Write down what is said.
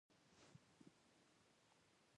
خو اوس پایلوچي په لچکۍ او لچرۍ بدله شوې ده.